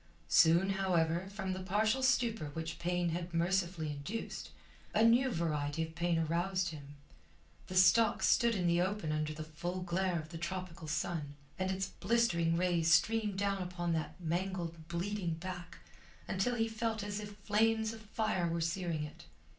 Soon, however, from the partial stupor which pain had mercifully induced, a new variety of pain aroused him. The stocks stood in the open under the full glare of the tropical sun, and its blistering rays streamed down upon that mangled, bleeding back until he felt as if flames of fire were searing it.